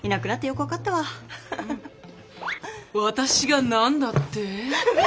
私が何だって？